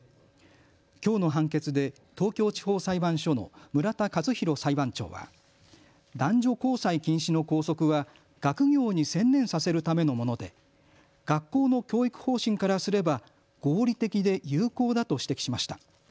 きょうの判決で東京地方裁判所の村田一広裁判長は、男女交際禁止の校則は学業に専念させるためのもので学校の教育方針からすれば合理的で有効だと指摘しました。